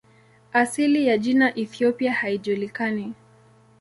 Asili ya jina "Ethiopia" haijulikani.